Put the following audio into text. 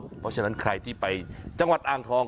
เพราะฉะนั้นใครที่ไปจังหวัดอ่างทอง